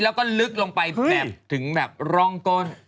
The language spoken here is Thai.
แล้วก็ลึกลงไปแบบถึงแบบร่องก้น